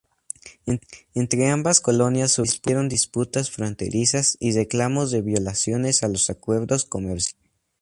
Entre ambas colonias surgieron disputas fronterizas y reclamos de violaciones a los acuerdos comerciales.